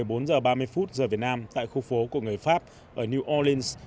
vụ xả súng xảy ra vào khoảng một giờ ba mươi phút giờ việt nam tại khu phố của người pháp ở new orleans